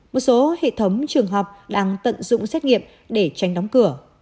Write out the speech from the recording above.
một số hệ thống trường học